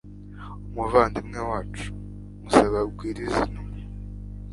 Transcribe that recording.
umuvandimwe wacu; musabe agwirize intumwa